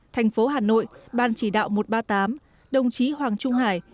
thành phố hà nội ban chỉ đạo một trăm ba mươi tám đồng chí hoàng trung hải